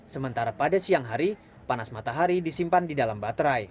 sementara pada siang hari panas matahari disimpan di dalam baterai